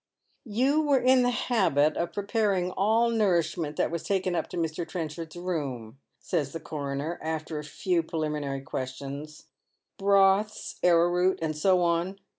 " You were in the habit of preparing all nourishment that was taken up to Mr. Trenchard's room ;" says the coroner after a few preliminary questions, " broths, an owroot, and so on."